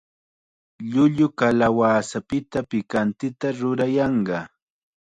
Llullu kalawasapita pikantita rurayanqa.